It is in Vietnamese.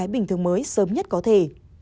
bình thường mới sớm nhất có thể